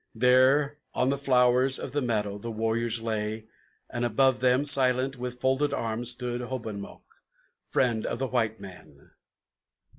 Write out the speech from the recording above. There on the flowers of the meadow the warriors lay, and above them, Silent, with folded arms, stood Hobomok, friend of the white man.